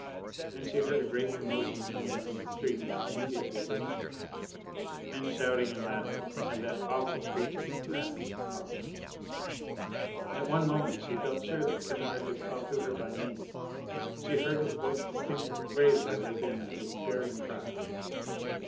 Then she heard a great commotion coming from the street immediately beneath her: men shouting and laughing, and that awful creature's rasping cough. At one moment she felt sure that Kennard had called to her by name. She heard his voice distinctly, raised as if in a despairing cry.